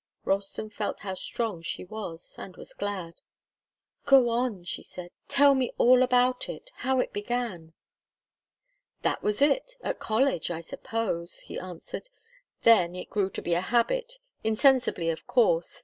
Ralston felt how strong she was, and was glad. "Go on," she said. "Tell me all about it how it began." "That was it at college, I suppose," he answered. "Then it grew to be a habit insensibly, of course.